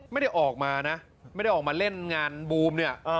ไม่ได้ออกมานะไม่ได้ออกมาเล่นงานบูมเนี่ย